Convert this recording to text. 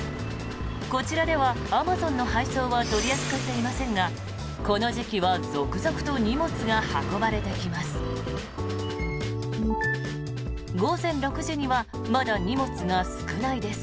こちらではアマゾンの配送は取り扱っていませんがこの時期は続々と荷物が運ばれてきます。